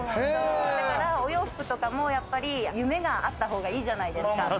だからお洋服とかもやっぱり夢があったほうがいいじゃないですか。